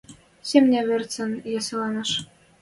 Семня верцӹн ясыланаш